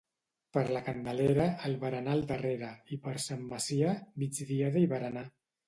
Per la Candelera, el berenar al darrere, i per Sant Macià, migdiada i berenar.